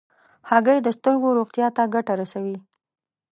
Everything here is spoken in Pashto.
هګۍ د سترګو روغتیا ته ګټه رسوي.